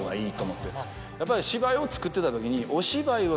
やっぱり芝居を作ってた時に。